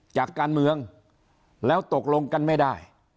จากการเมืองแล้วตกลงกันไม่ได้